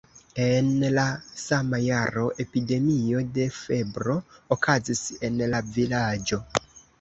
En la sama jaro epidemio de febro okazis en la vilaĝo.